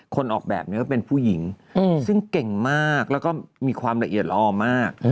ออกแบบนี้ก็เป็นผู้หญิงซึ่งเก่งมากแล้วก็มีความละเอียดละออมาก